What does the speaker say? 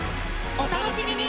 お楽しみに！